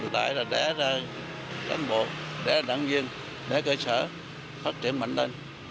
tại là đẻ ra cán bộ đẻ ra đảng viên đẻ cơ sở phát triển mạnh lên